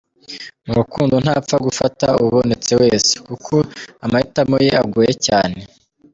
Mu rukundo ntapfa gufata ubonetse wese kuko amahitamo ye agoye cyane.